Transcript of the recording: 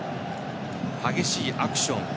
激しいアクション。